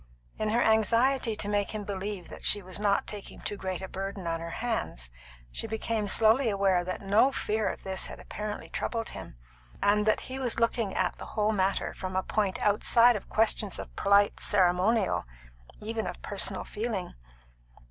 In her anxiety to make him believe that she was not taking too great a burden on her hands, she became slowly aware that no fear of this had apparently troubled him, and that he was looking at the whole matter from a point outside of questions of polite ceremonial, even of personal feeling.